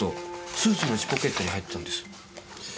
スーツの内ポケットに入ってたんです。